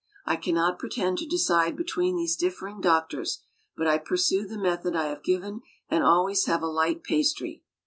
I cannot pretend to decide between these differing doctors, but I pursue the method I have given and always have light pastry.